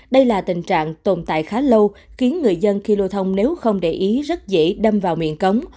đây là tình trạng tồn tại khá lâu khiến người dân khi lưu thông nếu không để ý rất dễ đâm vào miệng cống